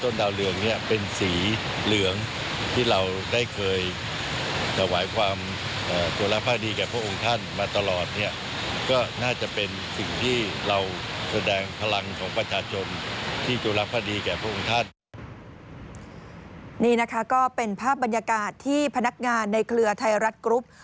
นี่เป็นภาพบรรยากาศที่พนักงานในเคลือไทยรัฐครุฟ